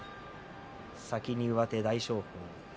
先に上手は大翔鵬。